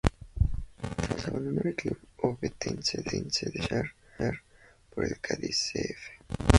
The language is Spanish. Tras abandonar el club ovetense, decidió fichar por el Cádiz C. F..